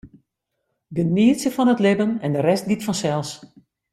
Genietsje fan it libben en de rest giet fansels.